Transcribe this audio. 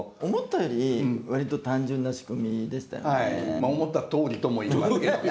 まあ思ったとおりとも言いますけども。